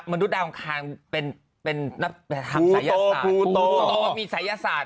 มนุษย์ดาวค์คลางเป็นความสายอาสาร